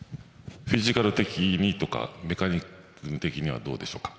フィジカル的にとかメカニック的にはどうですか？